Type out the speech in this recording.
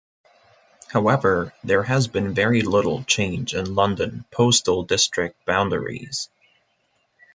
However, there has been very little change in London postal district boundaries.